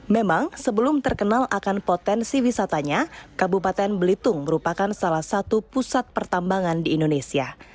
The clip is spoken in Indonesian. memang sebelum terkenal akan potensi wisatanya kabupaten belitung merupakan salah satu pusat pertambangan di indonesia